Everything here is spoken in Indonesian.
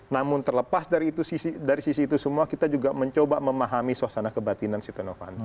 namun terlepas dari sisi itu semua kita juga mencoba memahami suasana kebatinan siti novanto